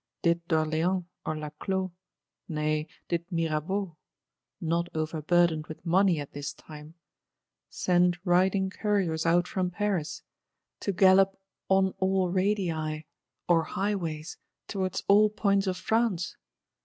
Did d'Orléans or Laclos, nay did Mirabeau (not overburdened with money at this time) send riding Couriers out from Paris; to gallop "on all radii," or highways, towards all points of France?